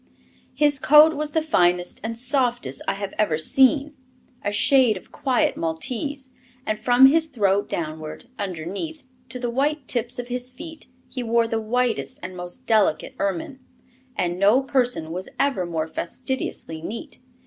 His coat was the finest and softest I have ever seen, a shade of quiet Maltese; and from his throat downward, underneath, to the white tips of his feet, he wore the whitest and most delicate ermine; and no person was ever more fastidiously neat.